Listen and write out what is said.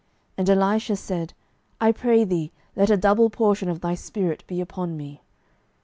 And Elisha said, I pray thee, let a double portion of thy spirit be upon me.